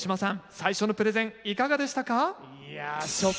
最初のプレゼンいかがでしたか？